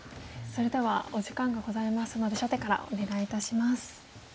それではお時間がございますので初手からお願いいたします。